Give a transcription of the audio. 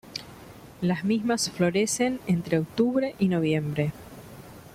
Las mismas florecen entre octubre y noviembre.